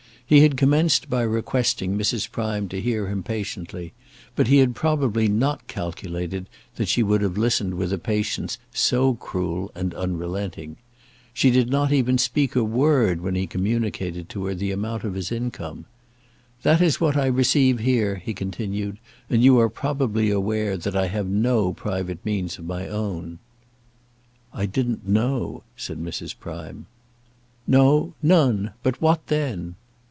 He had commenced by requesting Mrs. Prime to hear him patiently, but he had probably not calculated that she would have listened with a patience so cruel and unrelenting. She did not even speak a word when he communicated to her the amount of his income. "That is what I receive here," he continued, "and you are probably aware that I have no private means of my own." "I didn't know," said Mrs. Prime. "No; none. But what then?"